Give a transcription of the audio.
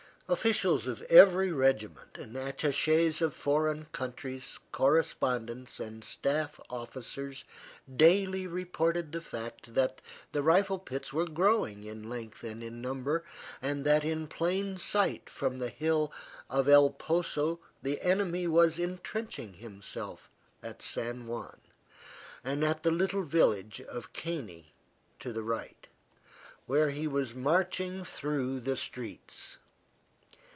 Officers of every regiment, attaches of foreign countries, correspondents, and staff officers daily reported the fact that the rifle pits were growing in length and in number, and that in plain sight from the hill of El Poso the enemy was intrenching himself at San Juan, and at the little village of El Caney to the right, where he was marching through the streets.